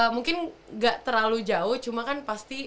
mungkin nggak terlalu jauh cuma kan pasti